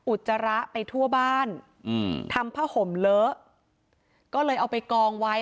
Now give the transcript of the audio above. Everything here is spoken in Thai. อุจจาระไปทั่วบ้านอืมทำผ้าห่มเลอะก็เลยเอาไปกองไว้